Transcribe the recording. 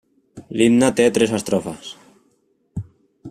L'himne té tres estrofes.